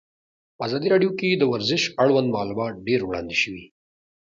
په ازادي راډیو کې د ورزش اړوند معلومات ډېر وړاندې شوي.